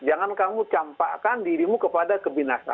jangan kamu campakkan dirimu kepada kebinasaan